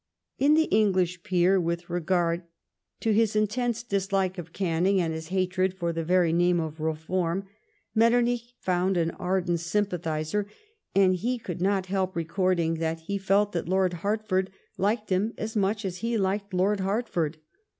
In the English peer, with regard to his intense dislike of Canning and his hatred for the very name of " reform," Metternich found an ardent sympathiser, and he could not help recording that he felt that Lord Hertford liked him as much as he liked Lord Hertford.